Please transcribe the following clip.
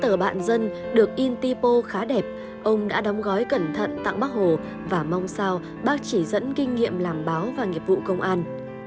tờ bạn dân được in tipo khá đẹp ông đã đóng gói cẩn thận tặng bắc hồ và mong sao bắc chỉ dẫn kinh nghiệm làm báo và nghiệp vụ công an